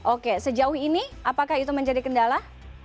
oke sejauh ini apakah itu menjadi kendala